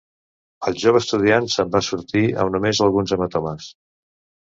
El jove estudiant se'n va sortir amb només alguns hematomes.